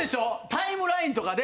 タイムラインとかで。